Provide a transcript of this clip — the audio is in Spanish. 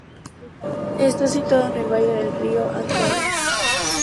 Está situado en el valle del río Ancares.